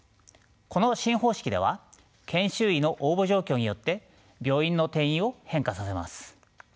この新方式では研修医の応募状況によって病院の定員を変化させます。